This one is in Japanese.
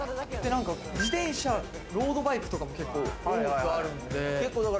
自転車、ロードバイクとかも結構多くあるんで。